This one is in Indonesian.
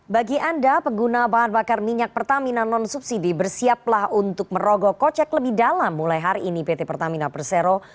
bagi anda pengguna bahan bakar minyak pertamina non subsidi bersiaplah untuk merogoh kocek lebih dalam mulai hari ini pt pertamina persero